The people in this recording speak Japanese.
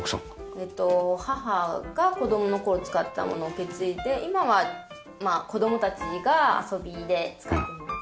えっと母が子供の頃使ってた物を受け継いで今は子供たちが遊びで使っています。